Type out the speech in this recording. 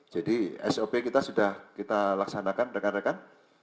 jadi sop kita sudah kita laksanakan rekan rekan